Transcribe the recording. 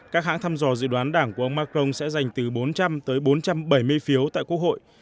các hãng thăm dò dự đoán đảng của ông macron sẽ dành từ bốn trăm linh tới bốn trăm bảy mươi phiếu tại quốc hội